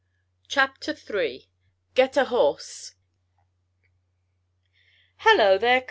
CHAPTER III "GET A HORSE!" "Hello there, Coz!"